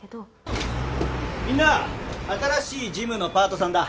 みんな新しい事務のパートさんだ。